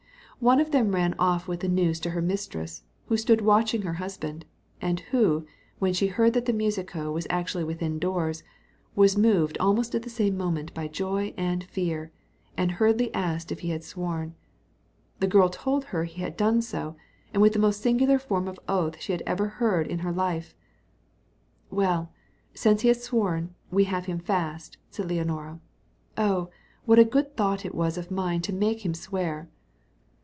One of them ran off with the news to her mistress, who stood watching her husband; and who, when she heard that the musico was actually within doors, was moved almost at the same moment by joy and fear, and hurriedly asked if he had sworn. The girl told her he had done so, and with the most singular form of oath she had ever heard in her life. "Well, since he has sworn, we have him fast," said Leonora. "Oh, what a good thought it was of mine to make him swear!"